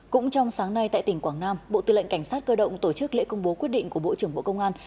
cũng trong sáng nay tại tỉnh quảng nam bộ tư lệnh cảnh sát cơ động tổ chức lễ công bố quyết định của bộ trưởng bộ công an